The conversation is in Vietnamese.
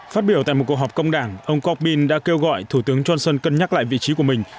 phát biểu tại một cuộc họp công đảng ông corbyn đã kêu gọi thủ tướng johnson cân nhắc lại vị trí của mình